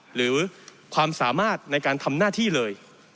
หรือความสามารถในการทำหน้าที่เลย